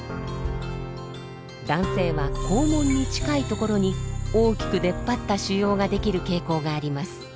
男性は肛門に近いところに大きく出っ張った腫瘍が出来る傾向があります。